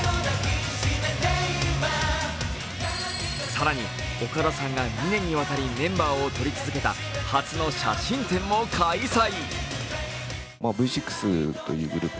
更に岡田さんが２年にわたりメンバーを撮り続けた初の写真展も開催。